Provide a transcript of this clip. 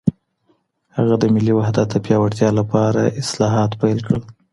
هغه د ملي وحدت د پیاوړتیا لپاره اصلاحات پیل کړل.